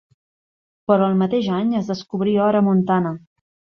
Però el mateix any es descobrí or a Montana.